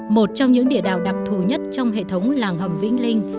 một trong những địa đạo đặc thù nhất trong hệ thống làng hầm vĩnh linh